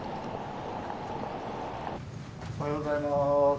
おはようございます。